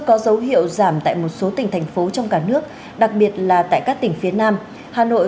có dấu hiệu giảm tại một số tỉnh thành phố trong cả nước đặc biệt là tại các tỉnh phía nam hà nội